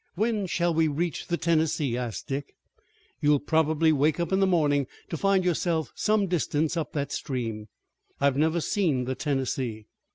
"When shall we reach the Tennessee?" asked Dick. "You will probably wake up in the morning to find yourself some distance up that stream." "I've never seen the Tennessee."